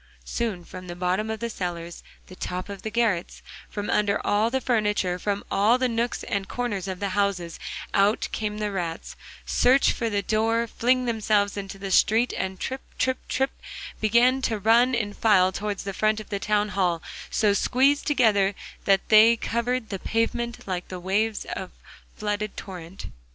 Soon from the bottom of the cellars, the top of the garrets, from under all the furniture, from all the nooks and corners of the houses, out come the rats, search for the door, fling themselves into the street, and trip, trip, trip, begin to run in file towards the front of the town hall, so squeezed together that they covered the pavement like the waves of flooded torrent.